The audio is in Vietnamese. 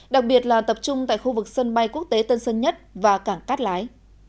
đặc biệt là tập trung tại khu vực sân bay quốc tế tân sơn nhất và cảng cát lái